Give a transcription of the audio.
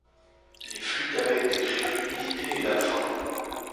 Les flûtes à bec décrivent l'humilité et la faim.